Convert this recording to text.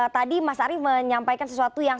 tadi mas arief menyampaikan sesuatu yang